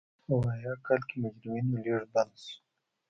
په ویاه کال کې مجرمینو لېږد بند شو.